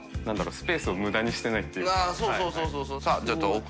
好據璽垢無駄にしてないっていうか。